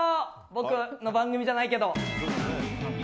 僕の番組じゃないけど。